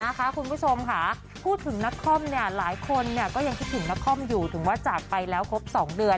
คุณผู้ชมค่ะพูดถึงนักคอมเนี่ยหลายคนเนี่ยก็ยังคิดถึงนครอยู่ถึงว่าจากไปแล้วครบ๒เดือน